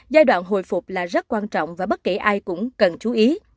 giai đoạn hồi phục là rất quan trọng và bất kể ai cũng cần chú ý